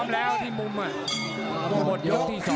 เลย